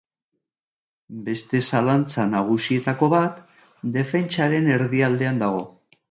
Beste zalantza nagusietako bat defentsaren erdialdean dago.